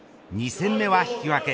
２戦目は引き分け。